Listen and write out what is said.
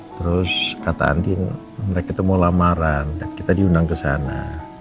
terus kata andi mereka mau lamaran dan kita diundang kesana